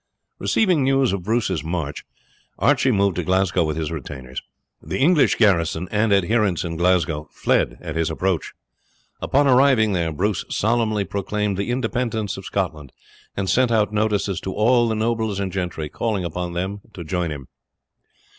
Receiving news of Bruce's march, Archie moved to Glasgow with his retainers. The English garrison and adherents in Glasgow fled at his approach. Upon arriving there Bruce solemnly proclaimed the independence of Scotland, and sent out notices to all the nobles and gentry, calling upon them to join him.